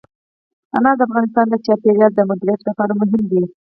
انار د افغانستان د چاپیریال د مدیریت لپاره مهم دي.